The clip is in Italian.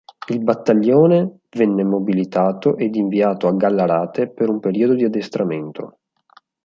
Il battaglione venne mobilitato ed inviato a Gallarate per un periodo di addestramento.